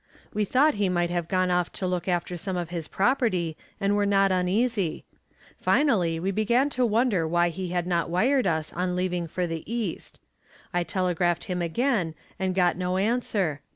We thought he might have gone off to look after some of his property and were not uneasy. Finally we began to wonder why he had not wired us on leaving for the east. I telegraphed him again and got no answer.